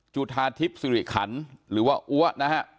จุธารทิพย์ศิลป์ขันหรือว่าว่านะฮะ